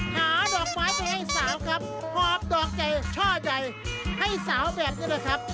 หาดอกไม้ไปให้สาวครับหอบดอกใจช่อใจให้สาวแบบนี้เลยครับ